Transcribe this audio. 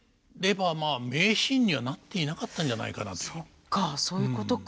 そっかそういうことか。